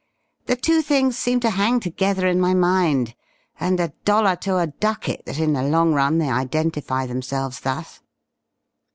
The two things seem to hang together in my mind, and a dollar to a ducat that in the long run they identify themselves thus....